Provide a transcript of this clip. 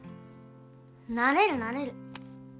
なれるなれる。